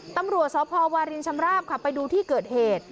ตำรวจสพวารินชำราบค่ะไปดูที่เกิดเหตุ